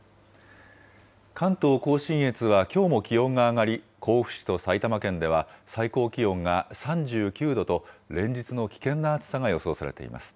関東甲信越はきょうも気温が上がり、甲府市と埼玉県では最高気温が３９度と、連日の危険な暑さが予想されています。